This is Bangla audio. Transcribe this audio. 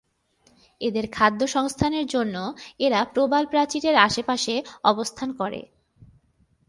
এদের খাদ্য সংস্থানের জন্য এরা প্রবাল প্রাচীরের আশে পাশে অবস্থান করে।